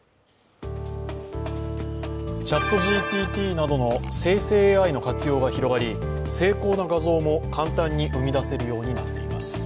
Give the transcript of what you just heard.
ＣｈａｔＧＰＴなどの生成ＡＩの活用が広がり、精巧な画像も簡単に生み出せるようになっています。